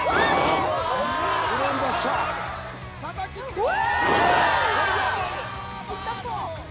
うわ！